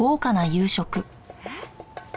えっ？